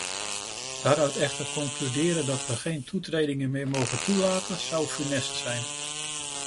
Daaruit echter concluderen dat we geen toetredingen meer mogen toelaten, zou funest zijn.